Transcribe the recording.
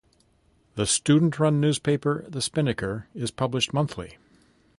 The student-run newspaper "The Spinnaker" is published monthly.